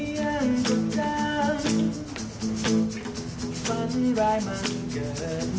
ร้องเธอขาดใดไม่ยังใกล้